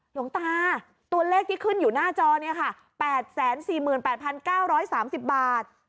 หลวงตาตัวเลขที่ขึ้นอยู่หน้าจอเนี่ยค่ะ๘๔๘๙๓๐บาท